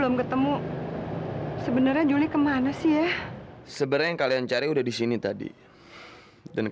lo jangan main main dik